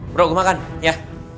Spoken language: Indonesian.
bro gue makan ya